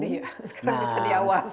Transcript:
sekarang bisa diawasin